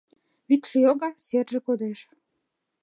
Вӱдшӧ йога — серже кодеш